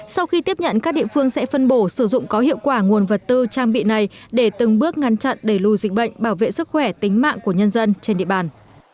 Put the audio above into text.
sau khi tiếp nhận các địa phương sẽ phân bổ sử dụng có hiệu quả nguồn vật tư trang bị này để từng bước ngăn chặn đẩy lùi dịch bệnh bảo vệ sức khỏe tính mạng của nhân dân trên địa bàn